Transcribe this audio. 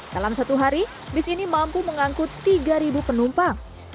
dalam satu hari bis ini mampu mengangkut tiga penumpang